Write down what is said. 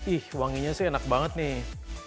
ih wanginya sih enak banget nih